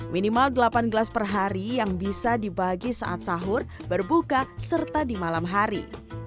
minimal delapan gelas per hari yang bisa dibagi saat sahur berbuka serta di malam hari